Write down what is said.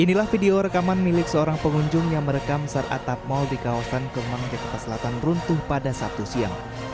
inilah video rekaman milik seorang pengunjung yang merekam saat atap mal di kawasan kemang jakarta selatan runtuh pada sabtu siang